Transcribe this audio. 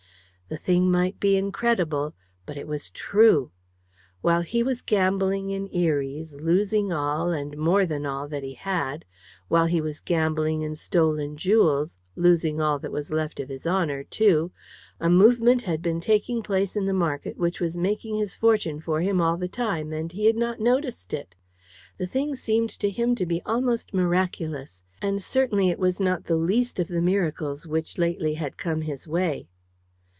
The thing might be incredible, but it was true! While he was gambling in Eries, losing all, and more than all, that he had; while he was gambling in stolen jewels, losing all that was left of his honour too, a movement had been taking place in the market which was making his fortune for him all the time, and he had not noticed it. The thing seemed to him to be almost miraculous. And certainly it was not the least of the miracles which lately had come his way.